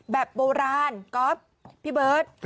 แบบโบราณก๊อฟพี่เบิร์ต